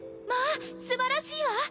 まあすばらしいわ！